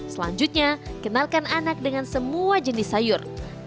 selanjutnya kenalkan anak dengan semua jenis sayur